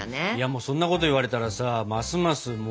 そんなこと言われたらさますます